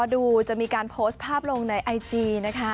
ดูจะมีการโพสต์ภาพลงในไอจีนะคะ